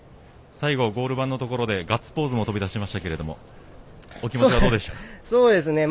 最後、ゴール板のところでガッツポーズも飛び出しましたけどお気持ち、どうでしょう？